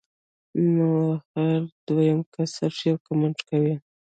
نو هر دويم کس صرف يو کمنټ کوي